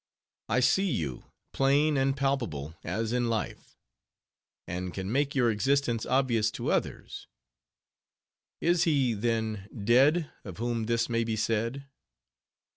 I see you, plain and palpable as in life; and can make your existence obvious to others. Is he, then, dead, of whom this may be said?